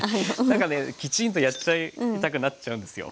何かねきちんとやっちゃいたくなっちゃうんですよ。